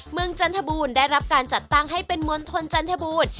เมืองจันทบูลได้รับการจัดตั้งให้เป็นมณฑลจันทบูล